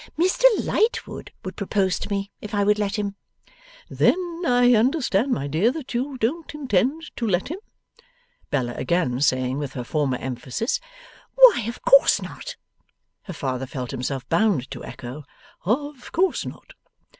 Mr Lightwood would propose to me, if I would let him.' 'Then I understand, my dear, that you don't intend to let him?' Bella again saying, with her former emphasis, 'Why, of course not!' her father felt himself bound to echo, 'Of course not.